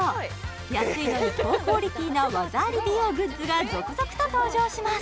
安いのに高クオリティな技あり美容グッズが続々と登場します